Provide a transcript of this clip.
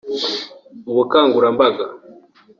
ubukangurambaga